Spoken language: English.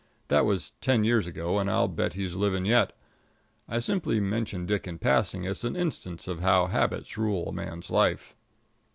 That was ten years ago, and I'll bet he's living yet. I simply mention Dick in passing as an instance of how habits rule a man's life.